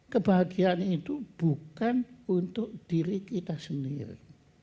kebahagiaan itu bukan untuk diri kita sendiri